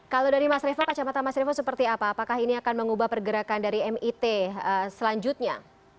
kalau dari mas revo kacamata mas revo seperti apa apakah ini akan mengubah pergerakan dari mit selanjutnya